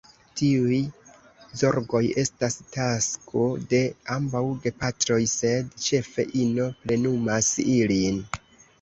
Tiuj zorgoj estas tasko de ambaŭ gepatroj, sed ĉefe ino plenumas ilin.